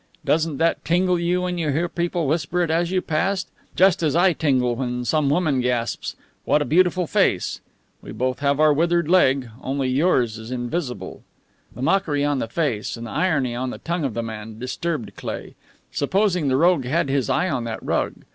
Doesn't that tingle you when you hear people whisper it as you pass? Just as I tingle when some woman gasps, 'What a beautiful face!' We both have our withered leg only yours is invisible." The mockery on the face and the irony on the tongue of the man disturbed Cleigh. Supposing the rogue had his eye on that rug?